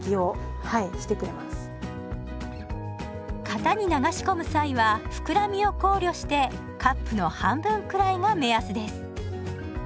型に流し込む際は膨らみを考慮してカップの半分くらいが目安です。